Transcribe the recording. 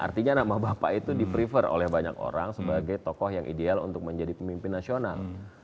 artinya nama bapak itu di prefer oleh banyak orang sebagai tokoh yang ideal untuk menjadi pemimpin nasional